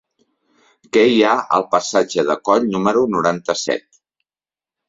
Què hi ha al passatge de Coll número noranta-set?